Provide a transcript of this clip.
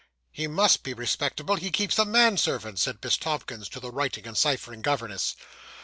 'He must be respectable he keeps a manservant,' said Miss Tomkins to the writing and ciphering governess.